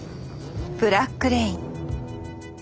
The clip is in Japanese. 「ブラック・レイン」。